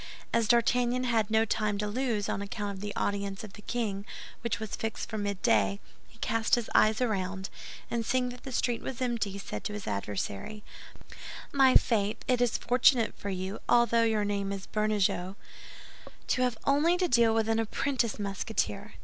As D'Artagnan had no time to lose, on account of the audience of the king, which was fixed for midday, he cast his eyes around, and seeing that the street was empty, said to his adversary, "My faith! It is fortunate for you, although your name is Bernajoux, to have only to deal with an apprentice Musketeer.